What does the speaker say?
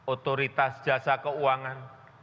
otoritas jasa keuangan